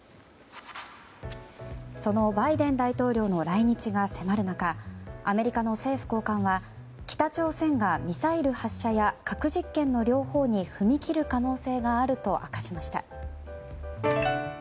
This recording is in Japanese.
そのバイデン大統領の来日が迫る中アメリカの政府高官は北朝鮮がミサイル発射や核実験の両方に踏み切る可能性があると明かしました。